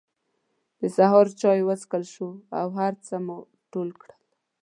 د سهار چای وڅکل شو او هر څه مو ټول کړل.